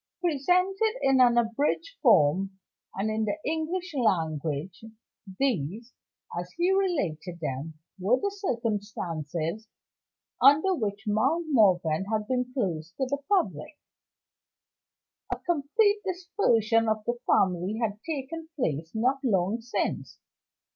Presented in an abridged form, and in the English language, these (as he related them) were the circumstances under which Mount Morven had been closed to the public. A complete dispersion of the family had taken place not long since.